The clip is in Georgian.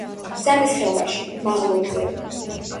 ძამის ხეობაში, მაღლობზე.